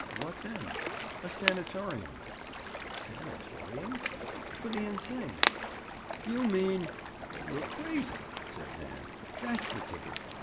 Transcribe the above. "What then?" "A sanatorium." "Sanatorium?" "For the insane." "You mean—?" "You're crazy," said Dan. "That's the ticket.